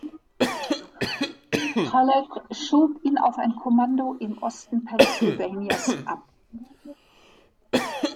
Halleck schob ihn auf ein Kommando im Osten Pennsylvanias ab.